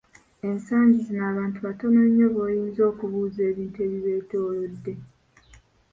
Ensangi zino abantu batono nnyo b’oyinza okubuuza ebintu ebibetoolodde!